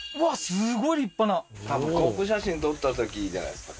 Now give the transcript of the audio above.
すごい立派な多分航空写真撮ったときじゃないですか？